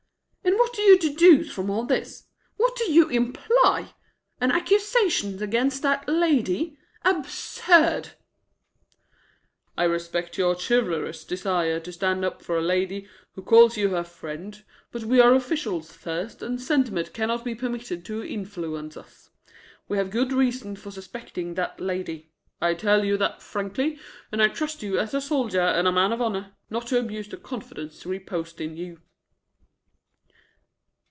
"And what do you deduce from all this? What do you imply? An accusation against that lady? Absurd!" "I respect your chivalrous desire to stand up for a lady who calls you her friend, but we are officials first, and sentiment cannot be permitted to influence us. We have good reasons for suspecting that lady. I tell you that frankly, and trust to you as a soldier and man of honour not to abuse the confidence reposed in you."